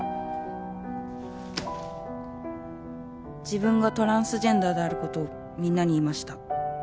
「自分がトランスジェンダーであることをみんなに言いました」